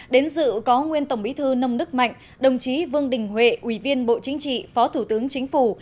đến dự có nguyên tổng bí thư nông đức mạnh đồng chí vương đình huệ ủy viên bộ chính trị phó thủ tướng chính phủ